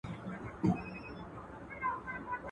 مناجات.